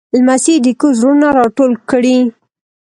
لمسی د کور زړونه راټول کړي.